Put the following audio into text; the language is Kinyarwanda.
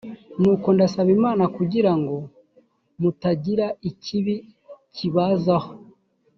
nuko ndasaba imana kugira ngo mutagira ikibi kibazaho